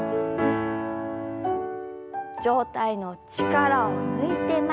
上体の力を抜いて前。